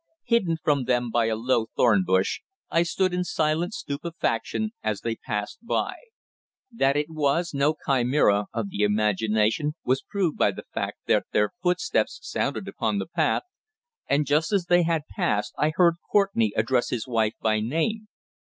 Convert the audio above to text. Hidden from them by a low thorn bush, I stood in silent stupefaction as they passed by. That it was no chimera of the imagination was proved by the fact that their footsteps sounded upon the path, and just as they had passed I heard Courtenay address his wife by name.